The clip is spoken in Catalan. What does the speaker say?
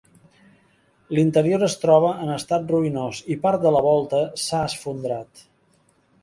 L'interior es troba en estat ruïnós, i part de la volta s'ha esfondrat.